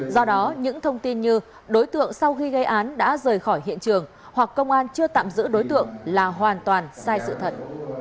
do đó những thông tin như đối tượng sau khi gây án đã rời khỏi hiện trường hoặc công an chưa tạm giữ đối tượng là hoàn toàn sai sự thật